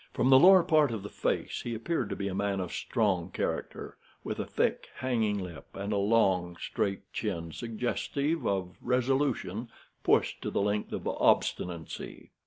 From the lower part of the face he appeared to be a man of strong character, with a thick, hanging lip, and a long, straight chin, suggestive of resolution pushed to the length of obstinacy.